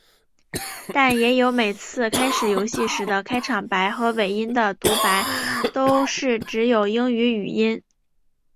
但也有每次开始游戏时的开场白和尾声的读白都是只有英语语音。